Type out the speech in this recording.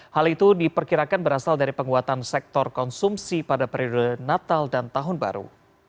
hal itu diperkirakan berasal dari penguatan sektor konsumsi pada periode natal dan tahun baru